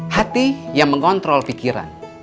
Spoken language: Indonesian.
hati yang mengontrol pikiran